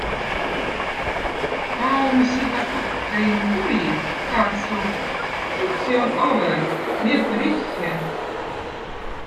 Kaunsihatukkõin tuli, katsob, uhsi on avõ, meeb rihhe.